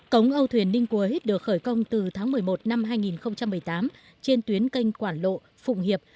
cống âu thuyền ninh quế được khởi công từ tháng một mươi một năm hai nghìn một mươi tám trên tuyến kênh quảng lộ phụng hiệp